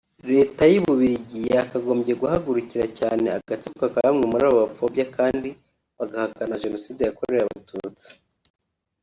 Leta y’u Bubiligi yakagombye guhagurikira cyane agatsiko ka bamwe muri abo bapfobya kandi bagahakana Jenoside yakorewe Abatutsi